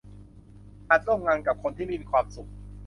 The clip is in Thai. อาจร่วมงานกับคนที่ไม่มีความสุข